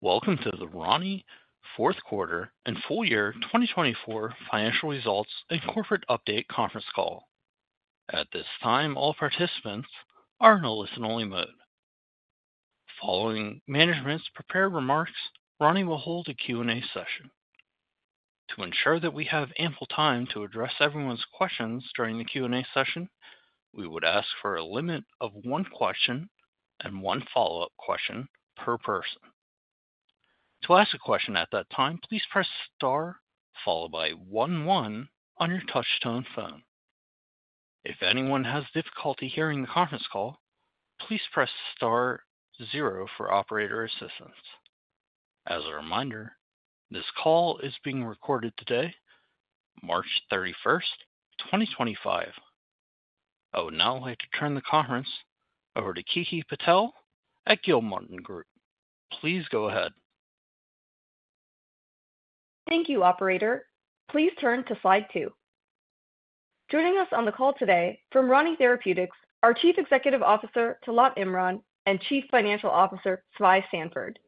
Welcome to the Rani fourth quarter and full year 2024 financial results and corporate update conference call. At this time, all participants are in a listen-only mode. Following management's prepared remarks, Rani will hold a Q&A session. To ensure that we have ample time to address everyone's questions during the Q&A session, we would ask for a limit of one question and one follow-up question per person. To ask a question at that time, please press star followed by one-one on your touch-tone phone. If anyone has difficulty hearing the conference call, please press star zero for operator assistance. As a reminder, this call is being recorded today, March 31, 2025. I would now like to turn the conference over to Kiki Patel at Gilmartin Group. Please go ahead. Thank you, Operator. Please turn to slide 2. Joining us on the call today from Rani Therapeutics are Chief Executive Officer Talat Imran and Chief Financial Officer Svai Sanford.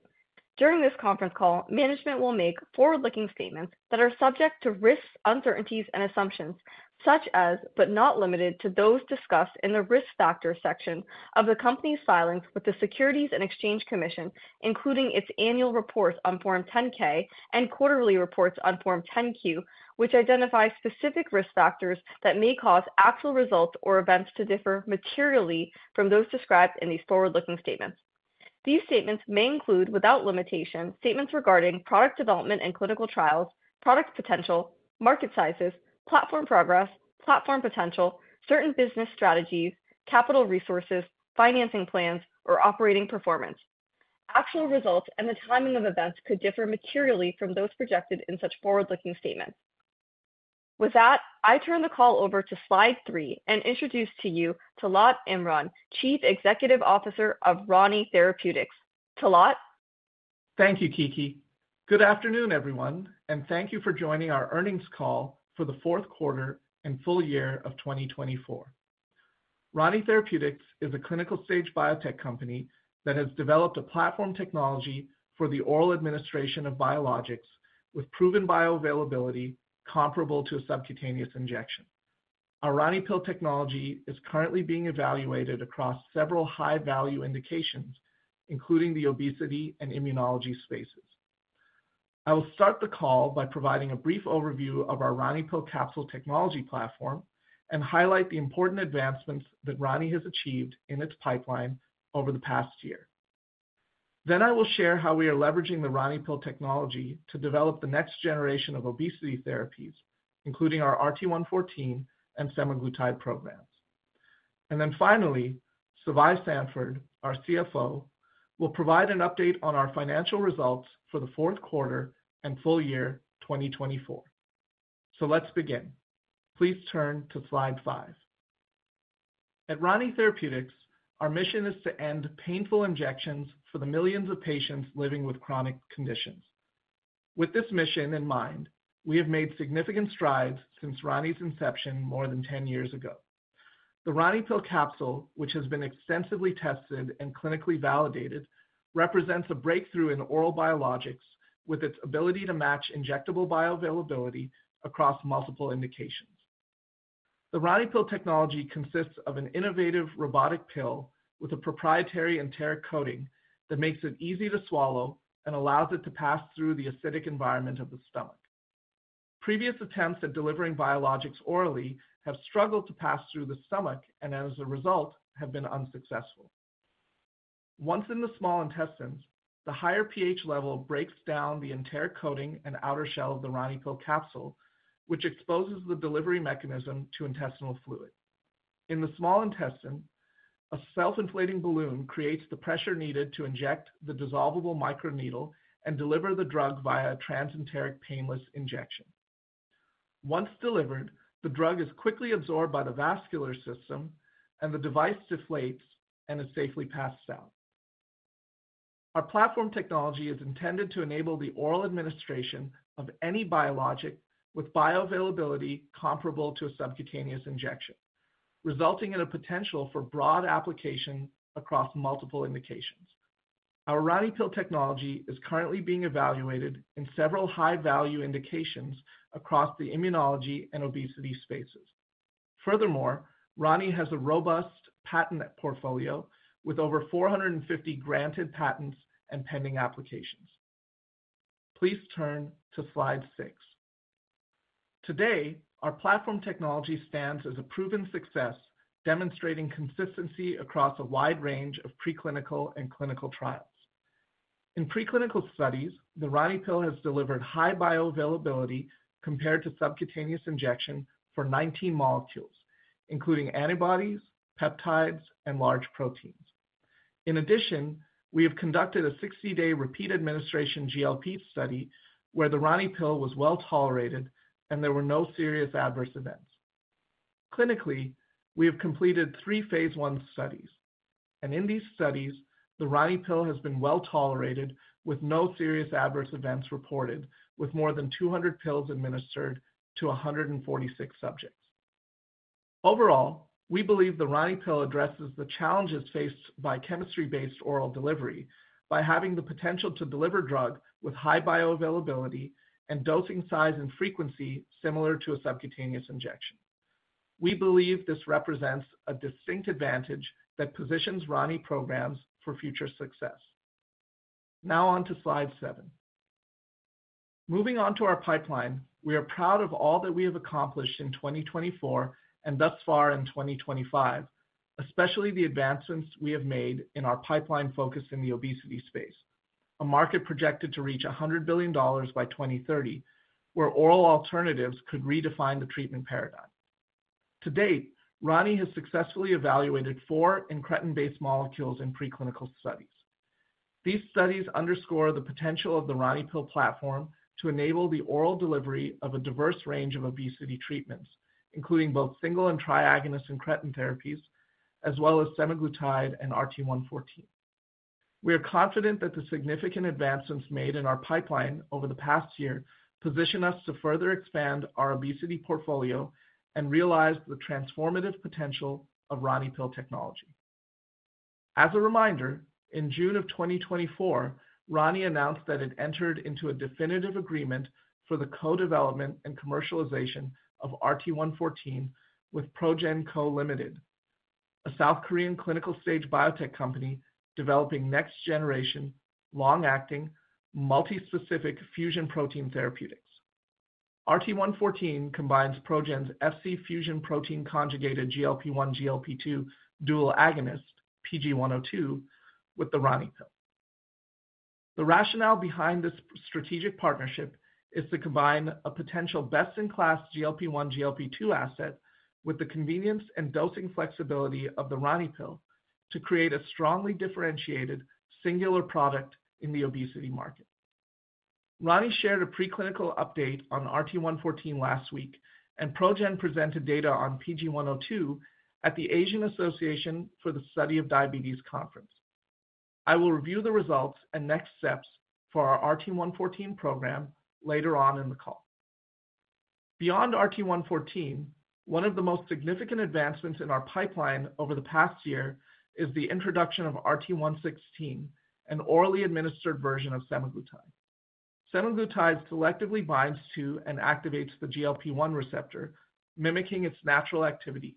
During this conference call, management will make forward-looking statements that are subject to risks, uncertainties, and assumptions, such as, but not limited to, those discussed in the risk factors section of the company's filings with the Securities and Exchange Commission, including its annual reports on Form 10-K and quarterly reports on Form 10-Q, which identify specific risk factors that may cause actual results or events to differ materially from those described in these forward-looking statements. These statements may include, without limitation, statements regarding product development and clinical trials, product potential, market sizes, platform progress, platform potential, certain business strategies, capital resources, financing plans, or operating performance. Actual results and the timing of events could differ materially from those projected in such forward-looking statements. With that, I turn the call over to slide 3 and introduce to you Talat Imran, Chief Executive Officer of Rani Therapeutics. Talat? Thank you, Kiki. Good afternoon, everyone, and thank you for joining our earnings call for the fourth quarter and full year of 2024. Rani Therapeutics is a clinical-stage biotech company that has developed a platform technology for the oral administration of biologics with proven bioavailability comparable to a subcutaneous injection. Our RaniPill technology is currently being evaluated across several high-value indications, including the obesity and immunology spaces. I will start the call by providing a brief overview of our RaniPill capsule technology platform and highlight the important advancements that Rani has achieved in its pipeline over the past year. I will share how we are leveraging the RaniPill technology to develop the next generation of obesity therapies, including our RT-114 and semaglutide programs. Finally, Svai Sanford, our CFO, will provide an update on our financial results for the fourth quarter and full year 2024. Let's begin. Please turn to slide 5. At Rani Therapeutics, our mission is to end painful injections for the millions of patients living with chronic conditions. With this mission in mind, we have made significant strides since Rani's inception more than 10 years ago. The RaniPill capsule, which has been extensively tested and clinically validated, represents a breakthrough in oral biologics with its ability to match injectable bioavailability across multiple indications. The RaniPill technology consists of an innovative robotic pill with a proprietary enteric coating that makes it easy to swallow and allows it to pass through the acidic environment of the stomach. Previous attempts at delivering biologics orally have struggled to pass through the stomach and, as a result, have been unsuccessful. Once in the small intestines, the higher pH level breaks down the enteric coating and outer shell of the RaniPill capsule, which exposes the delivery mechanism to intestinal fluid. In the small intestine, a self-inflating balloon creates the pressure needed to inject the dissolvable microneedle and deliver the drug via a transenteric painless injection. Once delivered, the drug is quickly absorbed by the vascular system, and the device deflates and is safely passed out. Our platform technology is intended to enable the oral administration of any biologic with bioavailability comparable to a subcutaneous injection, resulting in a potential for broad application across multiple indications. Our RaniPill technology is currently being evaluated in several high-value indications across the immunology and obesity spaces. Furthermore, Rani has a robust patent portfolio with over 450 granted patents and pending applications. Please turn to slide 6. Today, our platform technology stands as a proven success, demonstrating consistency across a wide range of preclinical and clinical trials. In preclinical studies, the RaniPill has delivered high bioavailability compared to subcutaneous injection for 19 molecules, including antibodies, peptides, and large proteins. In addition, we have conducted a 60-day repeat administration GLP study where the RaniPill was well tolerated and there were no serious adverse events. Clinically, we have completed three phase I studies, and in these studies, the RaniPill has been well tolerated with no serious adverse events reported with more than 200 pills administered to 146 subjects. Overall, we believe the RaniPill addresses the challenges faced by chemistry-based oral delivery by having the potential to deliver drug with high bioavailability and dosing size and frequency similar to a subcutaneous injection. We believe this represents a distinct advantage that positions Rani programs for future success. Now on to slide 7. Moving on to our pipeline, we are proud of all that we have accomplished in 2024 and thus far in 2025, especially the advancements we have made in our pipeline focused in the obesity space, a market projected to reach $100 billion by 2030, where oral alternatives could redefine the treatment paradigm. To date, Rani has successfully evaluated four incretin-based molecules in preclinical studies. These studies underscore the potential of the RaniPill platform to enable the oral delivery of a diverse range of obesity treatments, including both single and triagonist incretin therapies, as well as semaglutide and RT-114. We are confident that the significant advancements made in our pipeline over the past year position us to further expand our obesity portfolio and realize the transformative potential of RaniPill technology. As a reminder, in June of 2024, Rani announced that it entered into a definitive agreement for the co-development and commercialization of RT-114 with ProGen Co, Ltd, a South Korean clinical-stage biotech company developing next-generation, long-acting, multispecific fusion protein therapeutics. RT-114 combines ProGen's Fc-fusion protein conjugated GLP-1, GLP-2 dual agonist, PG-102, with the RaniPill. The rationale behind this strategic partnership is to combine a potential best-in-class GLP-1, GLP-2 asset with the convenience and dosing flexibility of the RaniPill to create a strongly differentiated, singular product in the obesity market. Rani shared a preclinical update on RT-114 last week, and ProGen presented data on PG-102 at the Asian Association for the Study of Diabetes conference. I will review the results and next steps for our RT-114 program later on in the call. Beyond RT-114, one of the most significant advancements in our pipeline over the past year is the introduction of RT-116, an orally administered version of semaglutide. Semaglutide selectively binds to and activates the GLP-1 receptor, mimicking its natural activity.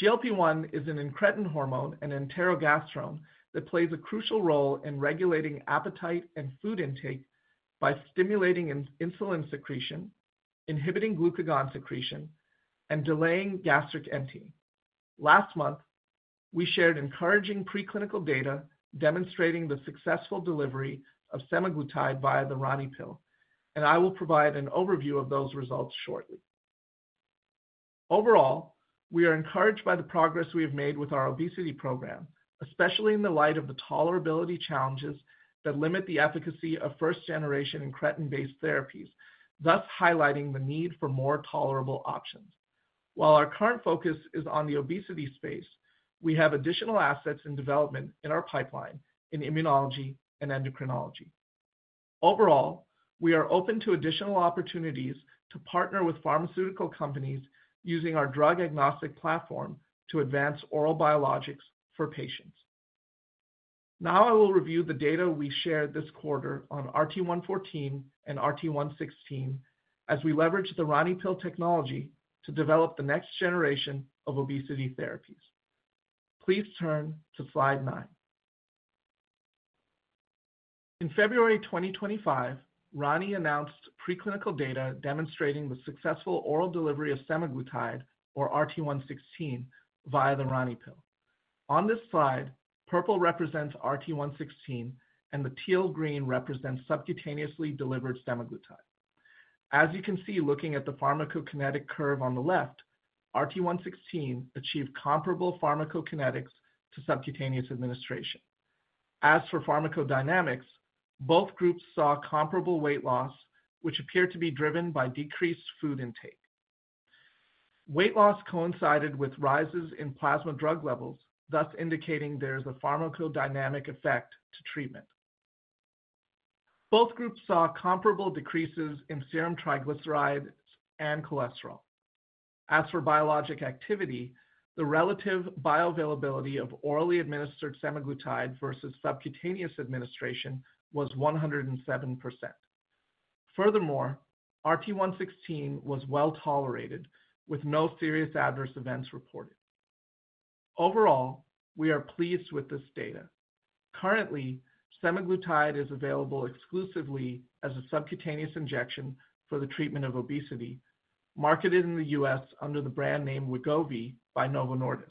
GLP-1 is an incretin hormone, an enterogastrone, that plays a crucial role in regulating appetite and food intake by stimulating insulin secretion, inhibiting glucagon secretion, and delaying gastric emptying. Last month, we shared encouraging preclinical data demonstrating the successful delivery of semaglutide via the RaniPill, and I will provide an overview of those results shortly. Overall, we are encouraged by the progress we have made with our obesity program, especially in the light of the tolerability challenges that limit the efficacy of first-generation incretin-based therapies, thus highlighting the need for more tolerable options. While our current focus is on the obesity space, we have additional assets in development in our pipeline in immunology and endocrinology. Overall, we are open to additional opportunities to partner with pharmaceutical companies using our drug-agnostic platform to advance oral biologics for patients. Now I will review the data we shared this quarter on RT-114 and RT-116 as we leverage the RaniPill technology to develop the next generation of obesity therapies. Please turn to slide 9. In February 2025, Rani announced preclinical data demonstrating the successful oral delivery of semaglutide, or RT-116, via the RaniPill. On this slide, purple represents RT-116, and the teal green represents subcutaneously delivered semaglutide. As you can see looking at the pharmacokinetic curve on the left, RT-116 achieved comparable pharmacokinetics to subcutaneous administration. As for pharmacodynamics, both groups saw comparable weight loss, which appeared to be driven by decreased food intake. Weight loss coincided with rises in plasma drug levels, thus indicating there is a pharmacodynamic effect to treatment. Both groups saw comparable decreases in serum triglycerides and cholesterol. As for biologic activity, the relative bioavailability of orally administered semaglutide versus subcutaneous administration was 107%. Furthermore, RT-116 was well tolerated with no serious adverse events reported. Overall, we are pleased with this data. Currently, semaglutide is available exclusively as a subcutaneous injection for the treatment of obesity, marketed in the U.S. under the brand name Wegovy by Novo Nordisk.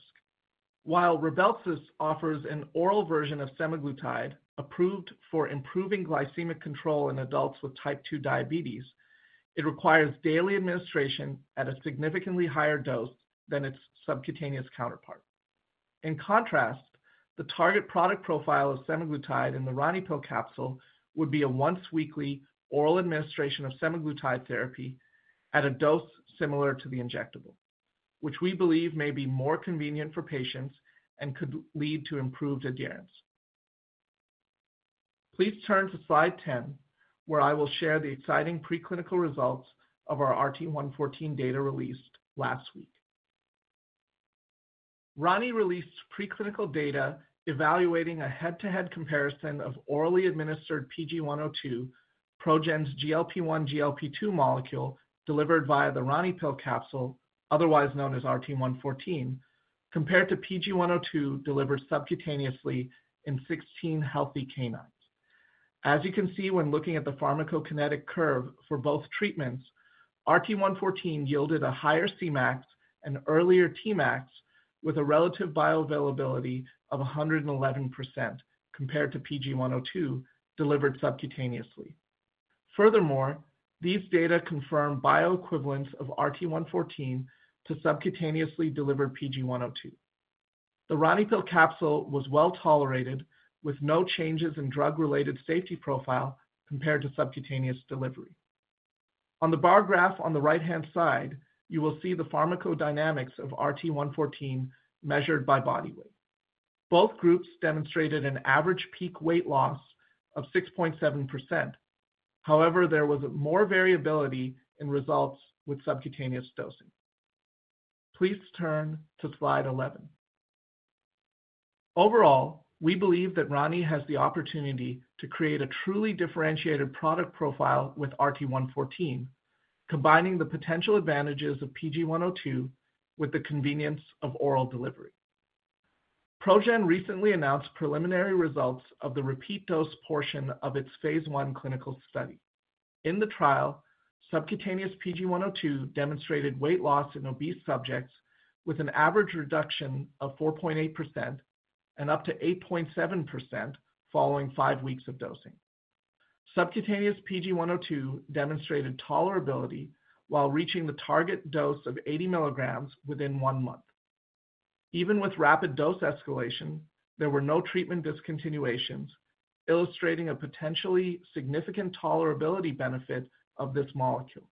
While Rybelsus offers an oral version of semaglutide approved for improving glycemic control in adults with type 2 diabetes, it requires daily administration at a significantly higher dose than its subcutaneous counterpart. In contrast, the target product profile of semaglutide in the RaniPill capsule would be a once-weekly oral administration of semaglutide therapy at a dose similar to the injectable, which we believe may be more convenient for patients and could lead to improved adherence. Please turn to slide 10, where I will share the exciting preclinical results of our RT-114 data released last week. Rani released preclinical data evaluating a head-to-head comparison of orally administered PG-102, ProGen's GLP-1, GLP-2 molecule delivered via the RaniPill capsule, otherwise known as RT-114, compared to PG-102 delivered subcutaneously in 16 healthy canines. As you can see when looking at the pharmacokinetic curve for both treatments, RT-114 yielded a higher Cmax and earlier Tmax with a relative bioavailability of 111% compared to PG-102 delivered subcutaneously. Furthermore, these data confirm bioequivalence of RT-114 to subcutaneously delivered PG-102. The RaniPill capsule was well tolerated with no changes in drug-related safety profile compared to subcutaneous delivery. On the bar graph on the right-hand side, you will see the pharmacodynamics of RT-114 measured by body weight. Both groups demonstrated an average peak weight loss of 6.7%. However, there was more variability in results with subcutaneous dosing. Please turn to slide 11. Overall, we believe that Rani has the opportunity to create a truly differentiated product profile with RT-114, combining the potential advantages of PG-102 with the convenience of oral delivery. ProGen recently announced preliminary results of the repeat dose portion of its phase I clinical study. In the trial, subcutaneous PG-102 demonstrated weight loss in obese subjects with an average reduction of 4.8% and up to 8.7% following five weeks of dosing. Subcutaneous PG-102 demonstrated tolerability while reaching the target dose of 80 milligrams within one month. Even with rapid dose escalation, there were no treatment discontinuations, illustrating a potentially significant tolerability benefit of this molecule.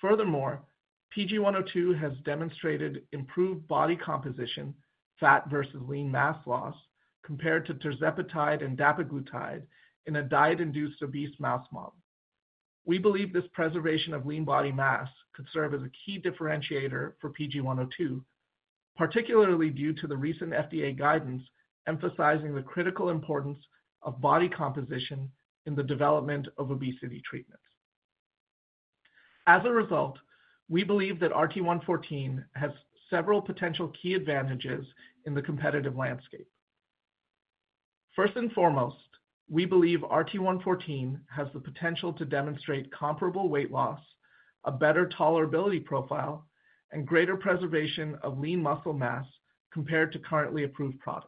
Furthermore, PG-102 has demonstrated improved body composition, fat versus lean mass loss compared to tirzepatide and dapiglutide in a diet-induced obese mouse model. We believe this preservation of lean body mass could serve as a key differentiator for PG-102, particularly due to the recent FDA guidance emphasizing the critical importance of body composition in the development of obesity treatments. As a result, we believe that RT-114 has several potential key advantages in the competitive landscape. First and foremost, we believe RT-114 has the potential to demonstrate comparable weight loss, a better tolerability profile, and greater preservation of lean muscle mass compared to currently approved products.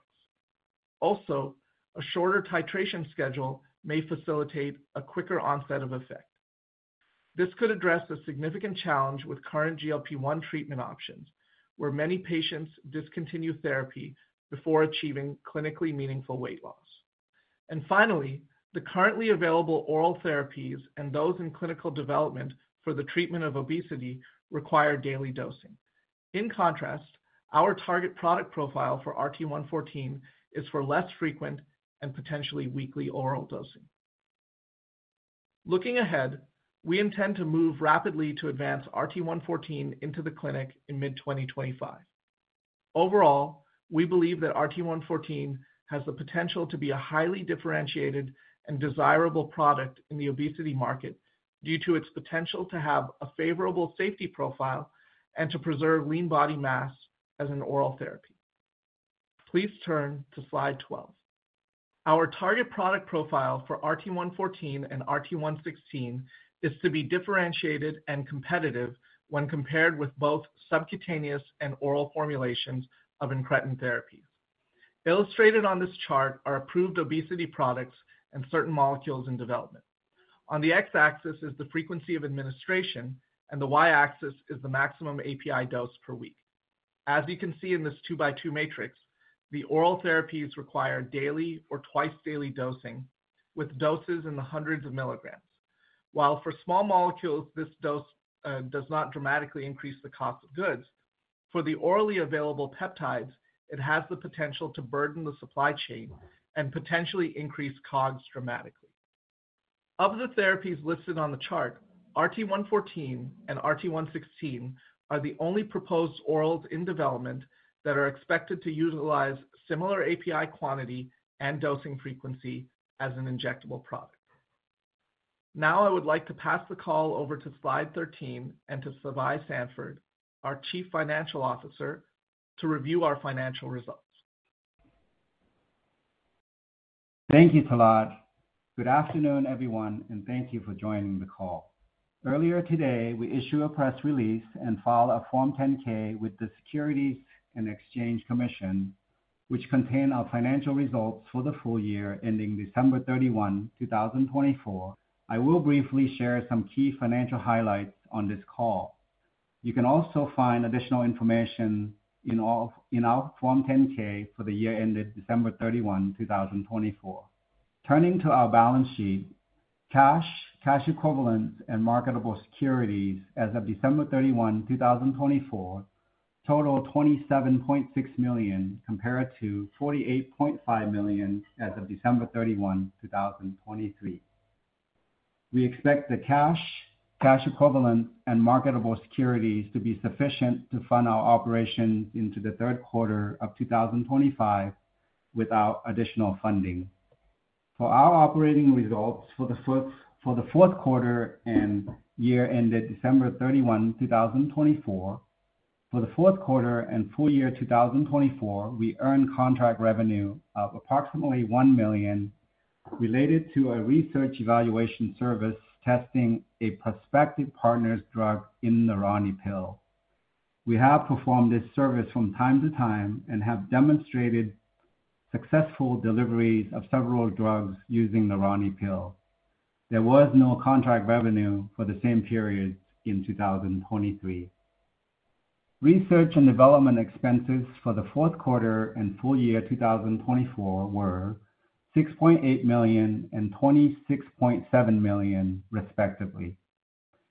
Also, a shorter titration schedule may facilitate a quicker onset of effect. This could address a significant challenge with current GLP-1 treatment options, where many patients discontinue therapy before achieving clinically meaningful weight loss. Finally, the currently available oral therapies and those in clinical development for the treatment of obesity require daily dosing. In contrast, our target product profile for RT-114 is for less frequent and potentially weekly oral dosing. Looking ahead, we intend to move rapidly to advance RT-114 into the clinic in mid-2025. Overall, we believe that RT-114 has the potential to be a highly differentiated and desirable product in the obesity market due to its potential to have a favorable safety profile and to preserve lean body mass as an oral therapy. Please turn to slide 12. Our target product profile for RT-114 and RT-116 is to be differentiated and competitive when compared with both subcutaneous and oral formulations of incretin therapies. Illustrated on this chart are approved obesity products and certain molecules in development. On the x-axis is the frequency of administration, and the y-axis is the maximum API dose per week. As you can see in this two-by-two matrix, the oral therapies require daily or twice-daily dosing with doses in the hundreds of milligrams. While for small molecules, this dose does not dramatically increase the cost of goods, for the orally available peptides, it has the potential to burden the supply chain and potentially increase COGS dramatically. Of the therapies listed on the chart, RT-114 and RT-116 are the only proposed orals in development that are expected to utilize similar API quantity and dosing frequency as an injectable product. Now I would like to pass the call over to slide 13 and to Svai Sanford, our Chief Financial Officer, to review our financial results. Thank you, Talat. Good afternoon, everyone, and thank you for joining the call. Earlier today, we issued a press release and filed a Form 10-K with the Securities and Exchange Commission, which contained our financial results for the full year ending December 31, 2024. I will briefly share some key financial highlights on this call. You can also find additional information in our Form 10-K for the year ended December 31, 2024. Turning to our balance sheet, cash, cash equivalents, and marketable securities as of December 31, 2024 total $27.6 million compared to $48.5 million as of December 31, 2023. We expect the cash, cash equivalents, and marketable securities to be sufficient to fund our operations into the third quarter of 2025 without additional funding. For our operating results for the fourth quarter and year ended December 31, 2024, for the fourth quarter and full year 2024, we earned contract revenue of approximately $1 million related to a research evaluation service testing a prospective partner's drug in the RaniPill. We have performed this service from time to time and have demonstrated successful deliveries of several drugs using the RaniPill. There was no contract revenue for the same period in 2023. Research and development expenses for the fourth quarter and full year 2024 were $6.8 million and $26.7 million, respectively,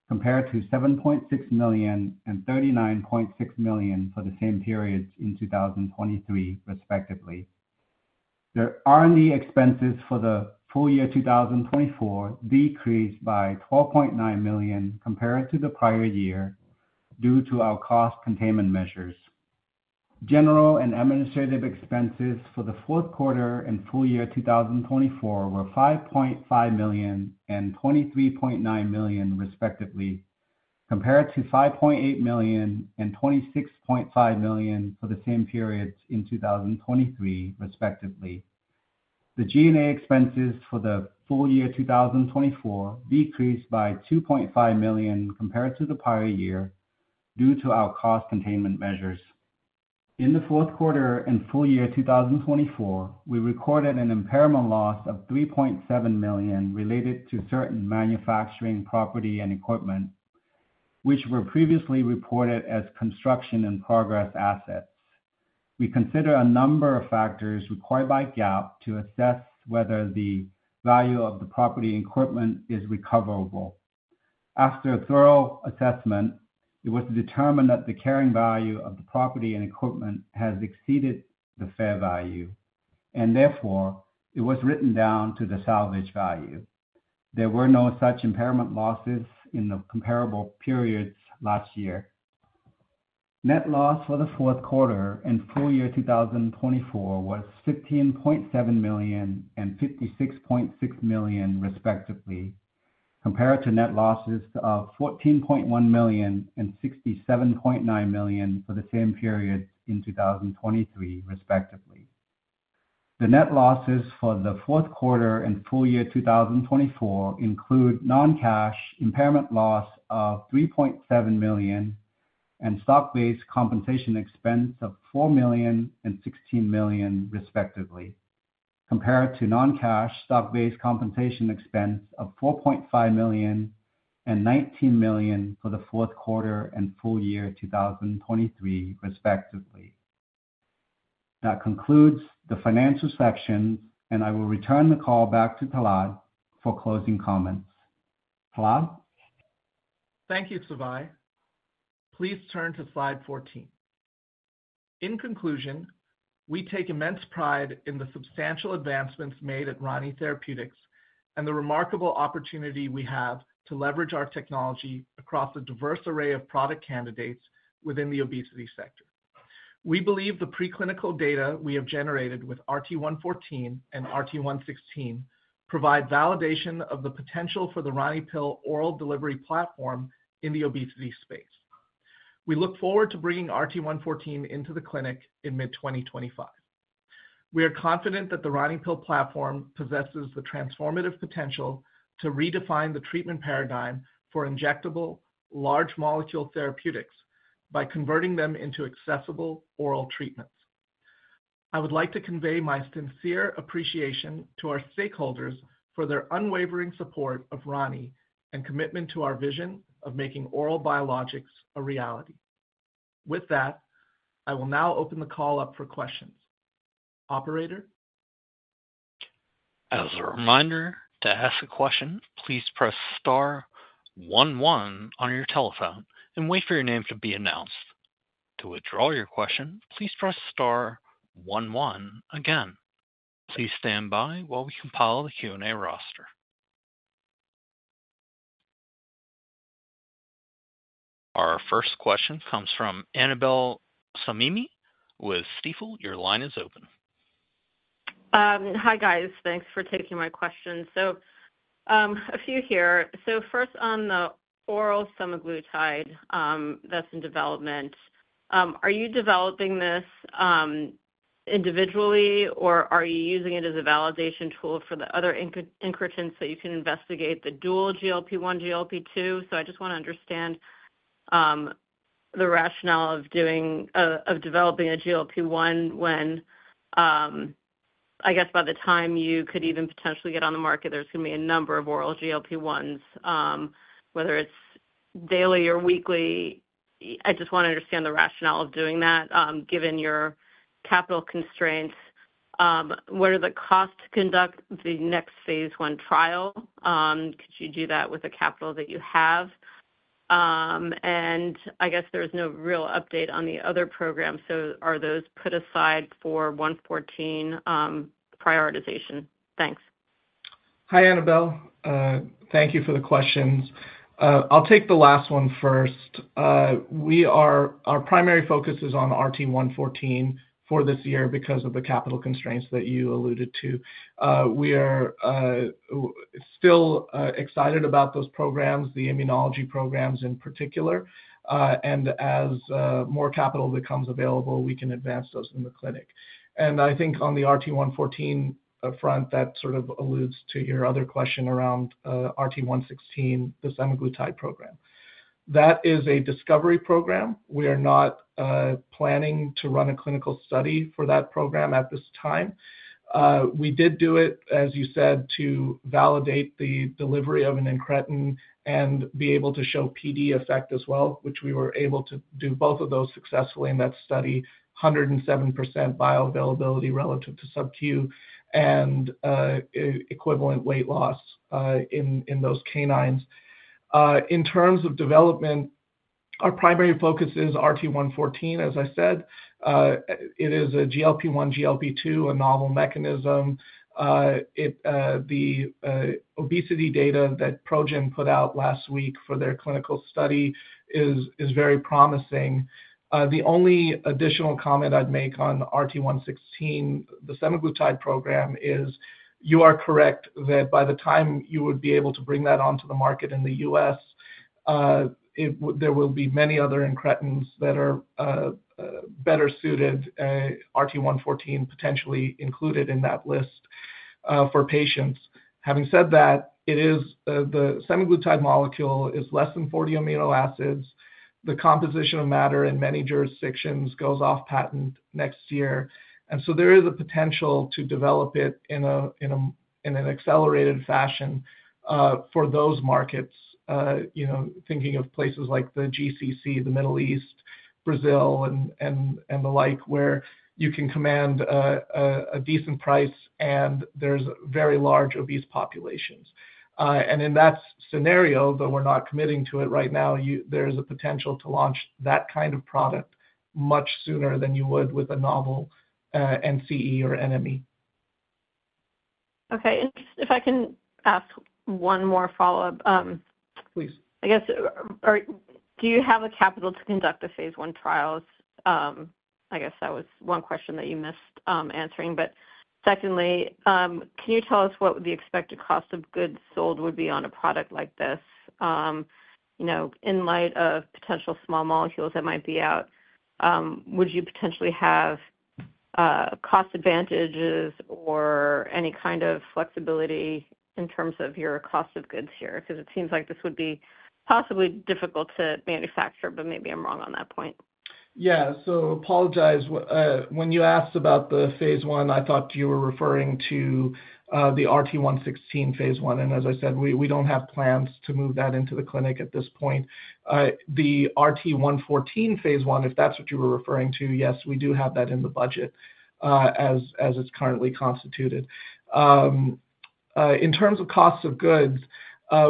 compared to $7.6 million and $39.6 million for the same period in 2023, respectively. The R&D expenses for the full year 2024 decreased by $12.9 million compared to the prior year due to our cost containment measures. General and administrative expenses for the fourth quarter and full year 2024 were $5.5 million and $23.9 million, respectively, compared to $5.8 million and $26.5 million for the same period in 2023, respectively. The G&A expenses for the full year 2024 decreased by $2.5 million compared to the prior year due to our cost containment measures. In the fourth quarter and full year 2024, we recorded an impairment loss of $3.7 million related to certain manufacturing property and equipment, which were previously reported as construction and progress assets. We consider a number of factors required by GAAP to assess whether the value of the property and equipment is recoverable. After a thorough assessment, it was determined that the carrying value of the property and equipment has exceeded the fair value, and therefore, it was written down to the salvage value. There were no such impairment losses in the comparable periods last year. Net loss for the fourth quarter and full year 2024 was $15.7 million and $56.6 million, respectively, compared to net losses of $14.1 million and $67.9 million for the same period in 2023, respectively. The net losses for the fourth quarter and full year 2024 include non-cash impairment loss of $3.7 million and stock-based compensation expense of $4 million and $16 million, respectively, compared to non-cash stock-based compensation expense of $4.5 million and $19 million for the fourth quarter and full year 2023, respectively. That concludes the financial sections, and I will return the call back to Talat for closing comments. Talat? Thank you, Svai. Please turn to slide 14. In conclusion, we take immense pride in the substantial advancements made at Rani Therapeutics and the remarkable opportunity we have to leverage our technology across a diverse array of product candidates within the obesity sector. We believe the preclinical data we have generated with RT-114 and RT-116 provide validation of the potential for the RaniPill oral delivery platform in the obesity space. We look forward to bringing RT-114 into the clinic in mid-2025. We are confident that the RaniPill platform possesses the transformative potential to redefine the treatment paradigm for injectable large molecule therapeutics by converting them into accessible oral treatments. I would like to convey my sincere appreciation to our stakeholders for their unwavering support of Rani and commitment to our vision of making oral biologics a reality. With that, I will now open the call up for questions. Operator? As a reminder, to ask a question, please press star 11 on your telephone and wait for your name to be announced. To withdraw your question, please press star 11 again. Please stand by while we compile the Q&A roster. Our first question comes from Annabel Samimy with Stifel. Your line is open. Hi, guys. Thanks for taking my question. A few here. First, on the oral semaglutide that's in development, are you developing this individually, or are you using it as a validation tool for the other incretins so you can investigate the dual GLP-1, GLP-2? I just want to understand the rationale of developing a GLP-1 when, I guess, by the time you could even potentially get on the market, there's going to be a number of oral GLP-1s, whether it's daily or weekly. I just want to understand the rationale of doing that given your capital constraints. What are the costs to conduct the next phase I trial? Could you do that with the capital that you have? I guess there's no real update on the other program. Are those put aside for 114 prioritization? Thanks. Hi, Annabel. Thank you for the questions. I'll take the last one first. Our primary focus is on RT-114 for this year because of the capital constraints that you alluded to. We are still excited about those programs, the immunology programs in particular. As more capital becomes available, we can advance those in the clinic. I think on the RT-114 front, that sort of alludes to your other question around RT-116, the semaglutide program. That is a discovery program. We are not planning to run a clinical study for that program at this time. We did do it, as you said, to validate the delivery of an incretin and be able to show PD effect as well, which we were able to do both of those successfully in that study, 107% bioavailability relative to subQ and equivalent weight loss in those canines. In terms of development, our primary focus is RT-114, as I said. It is a GLP-1, GLP-2, a novel mechanism. The obesity data that ProGen put out last week for their clinical study is very promising. The only additional comment I'd make on RT-116, the semaglutide program, is you are correct that by the time you would be able to bring that onto the market in the U.S., there will be many other incretins that are better suited, RT-114 potentially included in that list for patients. Having said that, the semaglutide molecule is less than 40 amino acids. The composition of matter in many jurisdictions goes off patent next year. There is a potential to develop it in an accelerated fashion for those markets, thinking of places like the GCC, the Middle East, Brazil, and the like, where you can command a decent price and there's very large obese populations. In that scenario, though we're not committing to it right now, there is a potential to launch that kind of product much sooner than you would with a novel NCE or NME. Okay. If I can ask one more follow-up. Please. I guess, do you have the capital to conduct the phase I trials? I guess that was one question that you missed answering. Secondly, can you tell us what the expected cost of goods sold would be on a product like this? In light of potential small molecules that might be out, would you potentially have cost advantages or any kind of flexibility in terms of your cost of goods here? Because it seems like this would be possibly difficult to manufacture, but maybe I'm wrong on that point. Yeah. Apologize. When you asked about the phase I, I thought you were referring to the RT-116 phase I. As I said, we don't have plans to move that into the clinic at this point. The RT-114 phase I, if that's what you were referring to, yes, we do have that in the budget as it's currently constituted. In terms of cost of goods,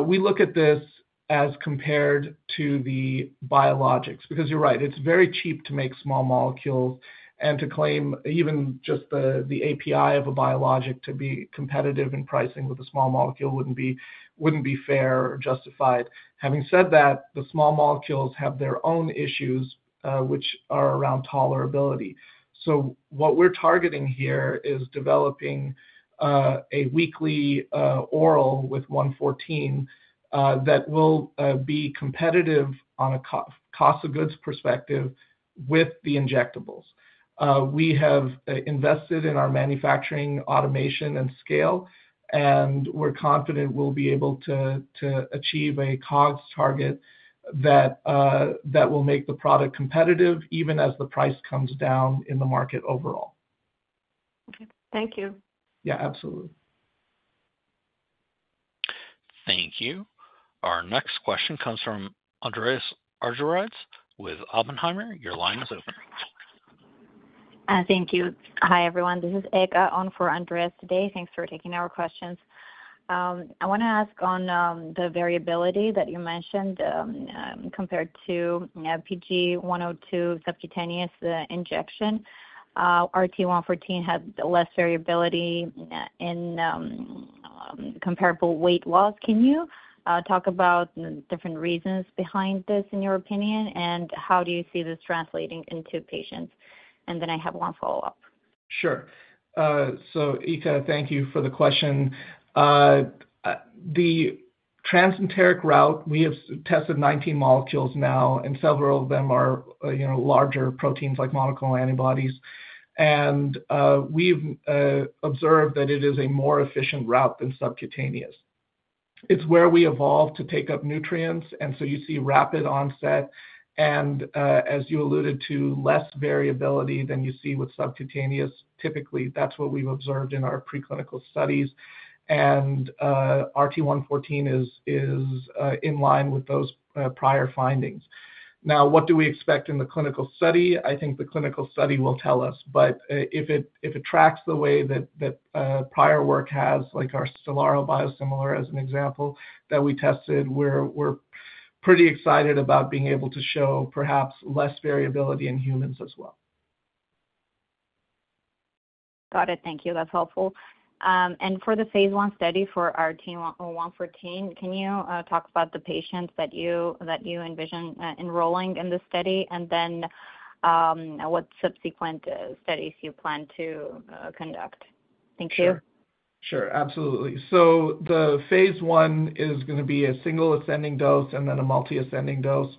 we look at this as compared to the biologics. Because you're right, it's very cheap to make small molecules. And to claim even just the API of a biologic to be competitive in pricing with a small molecule wouldn't be fair or justified. Having said that, the small molecules have their own issues, which are around tolerability. So what we're targeting here is developing a weekly oral with 114 that will be competitive on a cost of goods perspective with the injectables. We have invested in our manufacturing automation and scale, and we're confident we'll be able to achieve a COGS target that will make the product competitive even as the price comes down in the market overall. Okay. Thank you. Yeah, absolutely. Thank you. Our next question comes from Andreas Argyrides with Oppenheimer. Your line is open. Thank you. Hi, everyone. This is Eka on for Andreas today. Thanks for taking our questions. I want to ask on the variability that you mentioned compared to PG-102 subcutaneous injection. RT-114 had less variability in comparable weight loss. Can you talk about the different reasons behind this, in your opinion, and how do you see this translating into patients? I have one follow-up. Sure. Eka, thank you for the question. The transenteric route, we have tested 19 molecules now, and several of them are larger proteins like monoclonal antibodies. We have observed that it is a more efficient route than subcutaneous. It is where we evolve to take up nutrients. You see rapid onset. As you alluded to, less variability than you see with subcutaneous. Typically, that is what we have observed in our preclinical studies. RT-114 is in line with those prior findings. Now, what do we expect in the clinical study? I think the clinical study will tell us. If it tracks the way that prior work has, like our Stelara biosimilar as an example that we tested, we're pretty excited about being able to show perhaps less variability in humans as well. Got it. Thank you. That's helpful. For the phase I study for RT-114, can you talk about the patients that you envision enrolling in this study and then what subsequent studies you plan to conduct? Thank you. Sure. Absolutely. The phase I is going to be a single ascending dose and then a multi-ascending dose.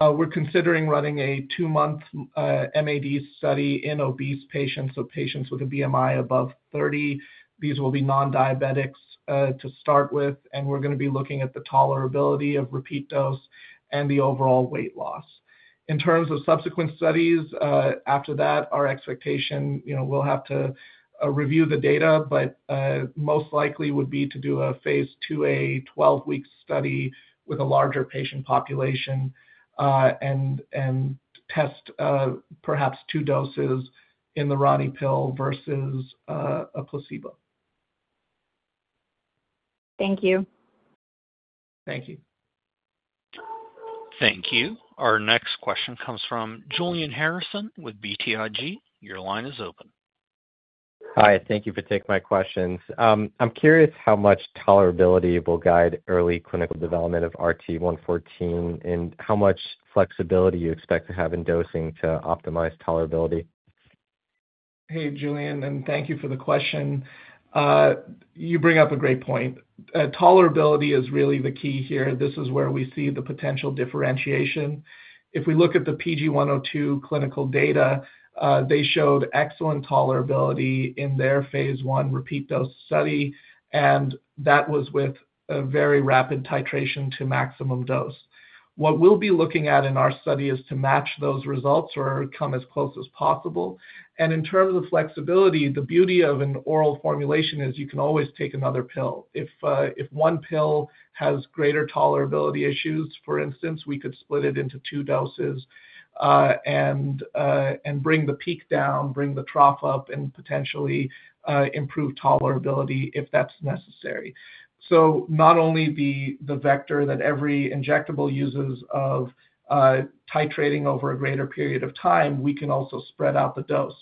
We're considering running a two-month MAD study in obese patients. Patients with a BMI above 30, these will be non-diabetics to start with. We're going to be looking at the tolerability of repeat dose and the overall weight loss. In terms of subsequent studies, after that, our expectation, we'll have to review the data, but most likely would be to do a phase II-A 12-week study with a larger patient population and test perhaps two doses in the RaniPill versus a placebo. Thank you. Thank you. Thank you. Our next question comes from Julian Harrison with BTIG. Your line is open. Hi. Thank you for taking my questions. I'm curious how much tolerability will guide early clinical development of RT-114 and how much flexibility you expect to have in dosing to optimize tolerability. Hey, Julian, and thank you for the question. You bring up a great point. Tolerability is really the key here. This is where we see the potential differentiation. If we look at the PG-102 clinical data, they showed excellent tolerability in their phase I repeat dose study. That was with a very rapid titration to maximum dose. What we will be looking at in our study is to match those results or come as close as possible. In terms of flexibility, the beauty of an oral formulation is you can always take another pill. If one pill has greater tolerability issues, for instance, we could split it into two doses and bring the peak down, bring the trough up, and potentially improve tolerability if that is necessary. Not only the vector that every injectable uses of titrating over a greater period of time, we can also spread out the dose.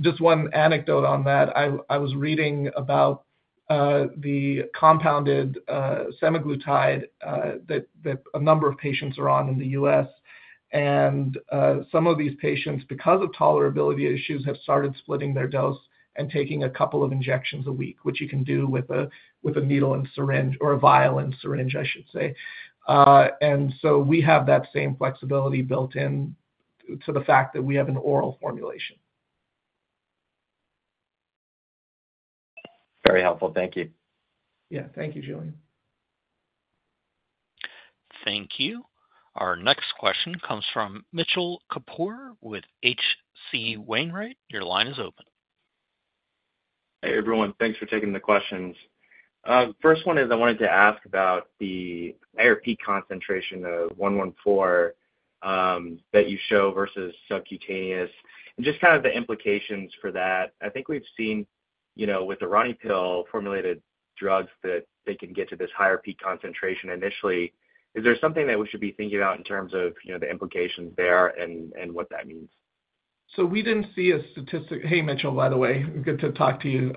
Just one anecdote on that. I was reading about the compounded semaglutide that a number of patients are on in the U.S. Some of these patients, because of tolerability issues, have started splitting their dose and taking a couple of injections a week, which you can do with a needle and syringe or a vial and syringe, I should say. We have that same flexibility built into the fact that we have an oral formulation. Very helpful. Thank you. Yeah. Thank you, Julian. Thank you. Our next question comes from Mitchell Kapoor with H.C. Wainwright. Your line is open. Hey, everyone. Thanks for taking the questions. First one is I wanted to ask about the IRP concentration of 114 that you show versus subcutaneous and just kind of the implications for that. I think we've seen with the RaniPill formulated drugs that they can get to this higher peak concentration initially. Is there something that we should be thinking about in terms of the implications there and what that means? We did not see a statistic. Hey, Mitchell, by the way. Good to talk to you.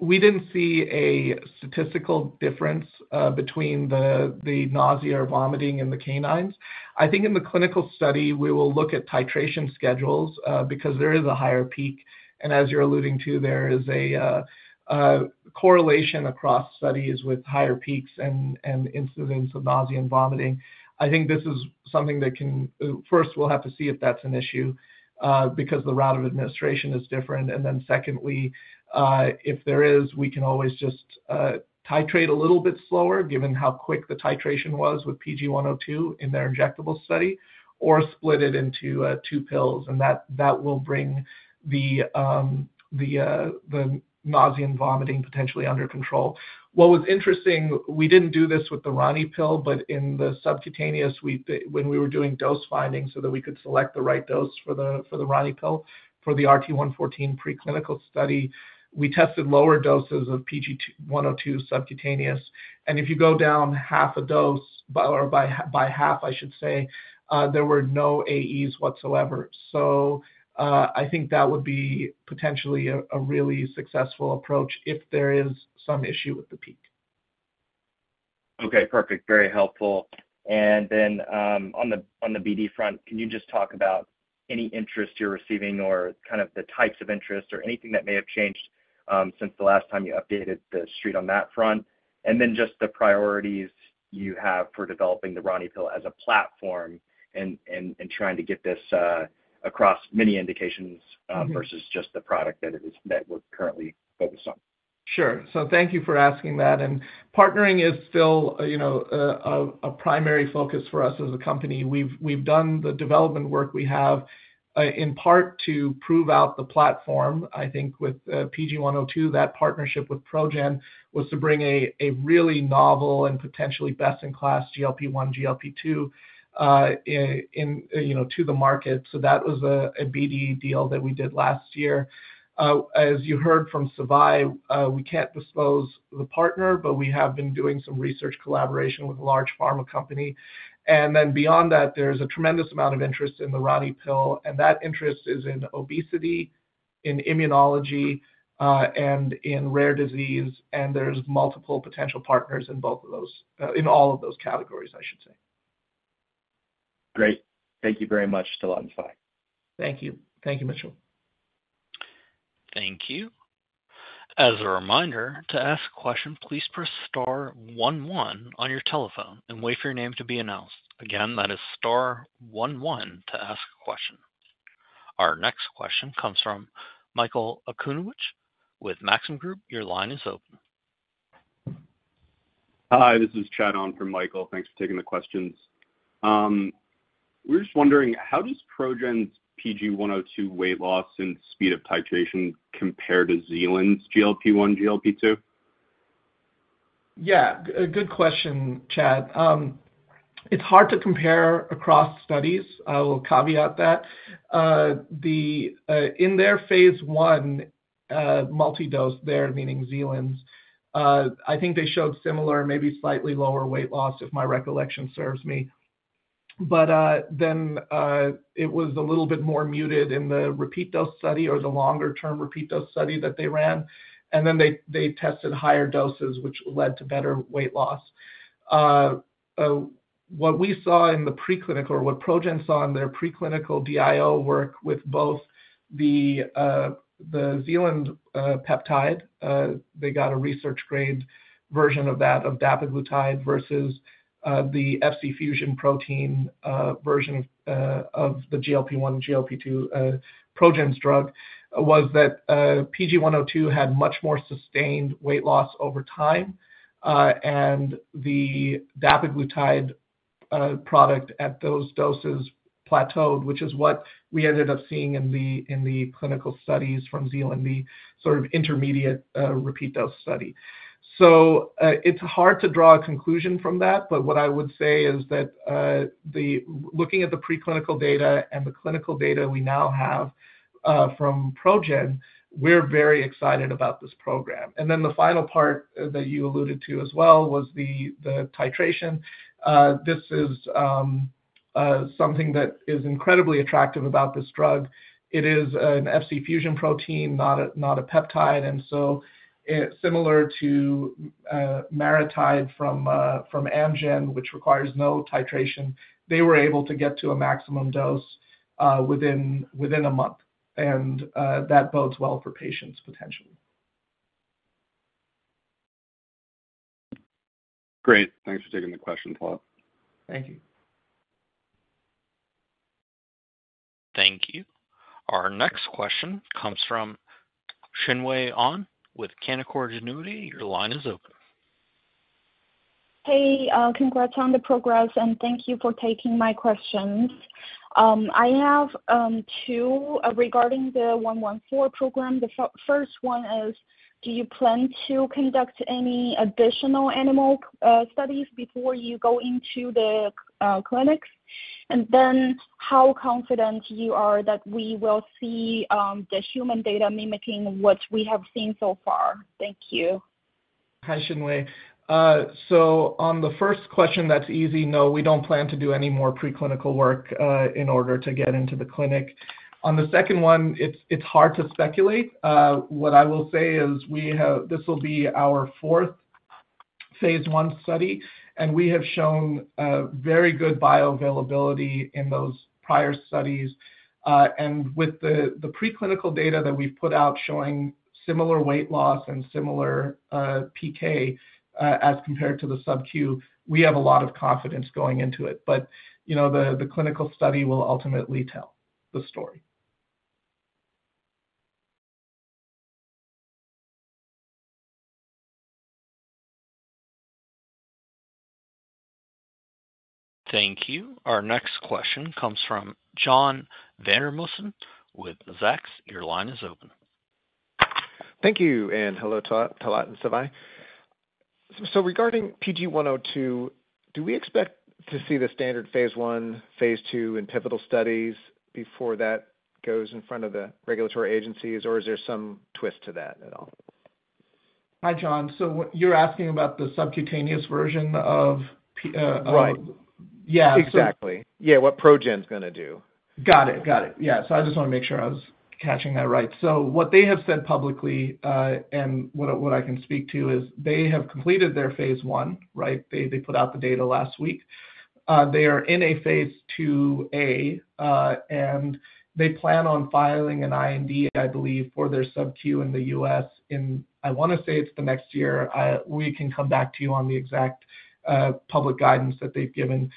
We did not see a statistical difference between the nausea or vomiting in the canines. I think in the clinical study, we will look at titration schedules because there is a higher peak. As you are alluding to, there is a correlation across studies with higher peaks and incidence of nausea and vomiting. I think this is something that can first, we will have to see if that is an issue because the route of administration is different. Secondly, if there is, we can always just titrate a little bit slower given how quick the titration was with PG-102 in their injectable study or split it into two pills. That will bring the nausea and vomiting potentially under control. What was interesting, we did not do this with the RaniPill, but in the subcutaneous, when we were doing dose findings so that we could select the right dose for the RaniPill for the RT-114 preclinical study, we tested lower doses of PG-102 subcutaneous. If you go down half a dose or by half, I should say, there were no AEs whatsoever. I think that would be potentially a really successful approach if there is some issue with the peak. Okay. Perfect. Very helpful. On the BD front, can you just talk about any interest you are receiving or kind of the types of interest or anything that may have changed since the last time you updated the street on that front? Just the priorities you have for developing the RaniPill as a platform and trying to get this across many indications versus just the product that we're currently focused on. Sure. Thank you for asking that. Partnering is still a primary focus for us as a company. We've done the development work we have in part to prove out the platform. I think with PG-102, that partnership with ProGen was to bring a really novel and potentially best-in-class GLP-1, GLP-2 to the market. That was a BD deal that we did last year. As you heard from Svai, we can't disclose the partner, but we have been doing some research collaboration with a large pharma company. Beyond that, there's a tremendous amount of interest in the RaniPill. That interest is in obesity, in immunology, and in rare disease. There are multiple potential partners in all of those categories, I should say. Great. Thank you very much, Talat and Svai. Thank you. Thank you, Mitchell. Thank you. As a reminder, to ask a question, please press star 11 on your telephone and wait for your name to be announced. Again, that is star 11 to ask a question. Our next question comes from Michael Okunewitch with Maxim Group. Your line is open. Hi. This is Chad from Michael. Thanks for taking the questions. We're just wondering, how does ProGen's PG-102 weight loss and speed of titration compare to Zealand's GLP-1, GLP-2? Good question, Chad. It's hard to compare across studies. I will caveat that. In their phase I multi-dose there, meaning Zealand's, I think they showed similar, maybe slightly lower weight loss, if my recollection serves me. It was a little bit more muted in the repeat dose study or the longer-term repeat dose study that they ran. They tested higher doses, which led to better weight loss. What we saw in the preclinical or what ProGen saw in their preclinical DIO work with both the Zealand peptide, they got a research-grade version of that of dapiglutide versus the Fc-fusion protein version of the GLP-1, GLP-2 ProGen's drug, was that PG-102 had much more sustained weight loss over time. The dapiglutide product at those doses plateaued, which is what we ended up seeing in the clinical studies from Zealand, the sort of intermediate repeat dose study. It is hard to draw a conclusion from that. What I would say is that looking at the preclinical data and the clinical data we now have from ProGen, we're very excited about this program. The final part that you alluded to as well was the titration. This is something that is incredibly attractive about this drug. It is an Fc-fusion protein, not a peptide. Similar to MariTide from Amgen, which requires no titration, they were able to get to a maximum dose within a month. That bodes well for patients, potentially. Great. Thanks for taking the question, Talat. Thank you. Thank you. Our next question comes from Xinwei An with Canaccord Genuity. Your line is open. Hey, congrats on the progress. And thank you for taking my questions. I have two regarding the 114 program. The first one is, do you plan to conduct any additional animal studies before you go into the clinics? And then how confident you are that we will see the human data mimicking what we have seen so far? Thank you. Hi, Xinwei. On the first question, that's easy. No, we don't plan to do any more preclinical work in order to get into the clinic. On the second one, it's hard to speculate. What I will say is this will be our fourth phase I study. We have shown very good bioavailability in those prior studies. With the preclinical data that we've put out showing similar weight loss and similar PK as compared to the subQ, we have a lot of confidence going into it. The clinical study will ultimately tell the story. Thank you. Our next question comes from John Vandermosten with Zacks. Your line is open. Thank you. Hello, Talat and Svai. Regarding PG-102, do we expect to see the standard phase I, phase two, and pivotal studies before that goes in front of the regulatory agencies, or is there some twist to that at all? Hi, John. You're asking about the subcutaneous version, right? Yeah. Exactly. What ProGen's going to do. Got it. Got it. I just want to make sure I was catching that right. What they have said publicly and what I can speak to is they have completed their phase I, right? They put out the data last week. They are in a phase II-A. They plan on filing an IND, I believe, for their subQ in the U.S. in, I want to say it's the next year. We can come back to you on the exact public guidance that they've given.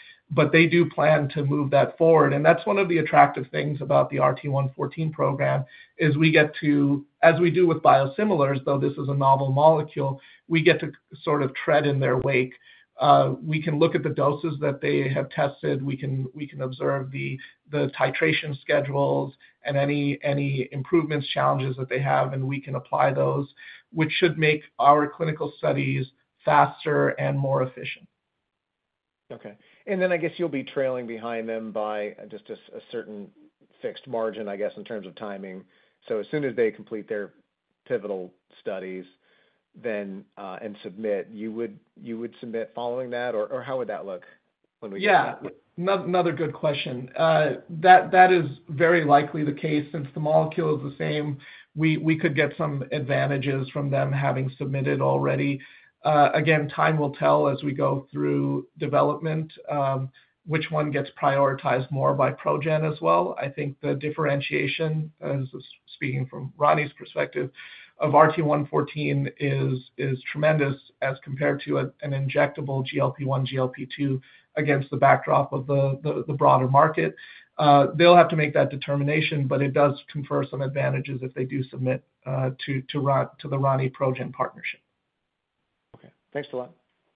They do plan to move that forward. That is one of the attractive things about the RT-114 program, as we get to, as we do with biosimilars, though this is a novel molecule, we get to sort of tread in their wake. We can look at the doses that they have tested. We can observe the titration schedules and any improvements, challenges that they have, and we can apply those, which should make our clinical studies faster and more efficient. Okay. I guess you'll be trailing behind them by just a certain fixed margin, I guess, in terms of timing. As soon as they complete their pivotal studies and submit, you would submit following that, or how would that look when we get to that? Yeah. Another good question. That is very likely the case. Since the molecule is the same, we could get some advantages from them having submitted already. Again, time will tell as we go through development which one gets prioritized more by ProGen as well. I think the differentiation, speaking from Rani's perspective, of RT-114 is tremendous as compared to an injectable GLP-1, GLP-2 against the backdrop of the broader market. They'll have to make that determination, but it does confer some advantages if they do submit to the Rani-ProGen partnership. Okay. Thanks, Talat.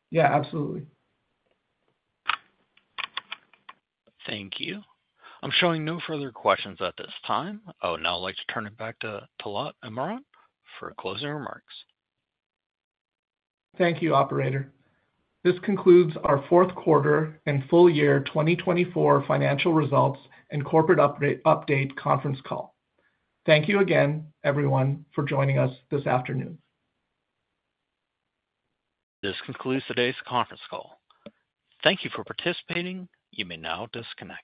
Yeah. Absolutely. Thank you. I'm showing no further questions at this time. Oh, now I'd like to turn it back to Talat Imran for closing remarks. Thank you, Operator. This concludes our fourth quarter and full year 2024 financial results and corporate update conference call. Thank you again, everyone, for joining us this afternoon. This concludes today's conference call. Thank you for participating. You may now disconnect.